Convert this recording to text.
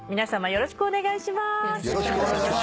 よろしくお願いします。